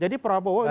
jadi prabowo ini sama